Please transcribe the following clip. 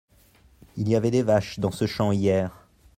Il y avait des vaches dans ce champ hier.